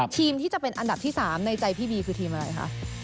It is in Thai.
ทีมที่จะเป็นอันดับที่๓ในใจพี่บีคือทีมอะไรคะ